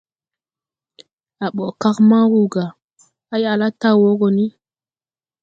A boʼ kag man wuu ga, à yaʼ la taw wo go ni.